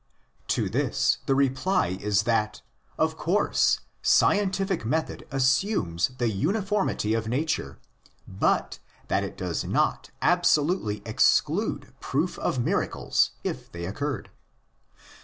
To this the reply is that, of course, scientific method assumes the uniformity of nature; but that it does not absolutely exclude proof of miracles if they occurred.